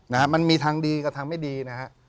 นะฮะมันมีทางดีกับทางไม่ดีนะฮะ